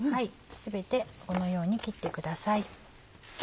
全てこのように切ってください。